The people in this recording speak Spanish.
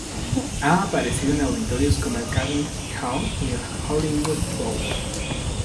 Ha aparecido en auditorios como el Carnegie Hall y el Hollywood Bowl.